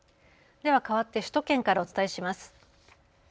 では、かわって首都圏からお伝えします。